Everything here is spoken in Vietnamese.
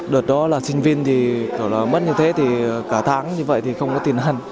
đợt đó là sinh viên thì bảo là mất như thế thì cả tháng như vậy thì không có tiền hăn